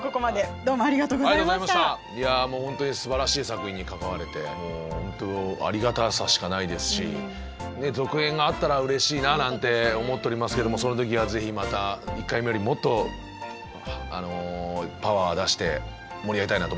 いやもう本当にすばらしい作品に関われて本当ありがたさしかないですし続編があったらうれしいななんて思っておりますけどもその時はぜひまた１回目よりもっとパワー出して盛り上げたいなと思います。